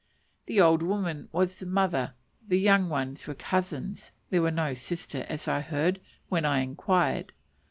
The old woman was the mother, the young ones were cousins: there was no sister, as I heard, when I inquired.